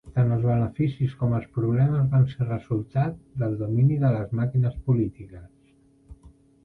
Tant els beneficis com els problemes van ser resultat del domini de les màquines polítiques.